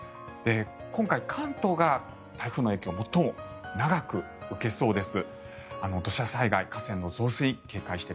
今回、関東が台風の影響最も長く受けそうです。